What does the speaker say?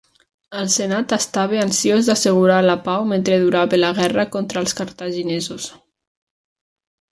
El senat estava ansiós d'assegurar la pau mentre durava la guerra contra els cartaginesos.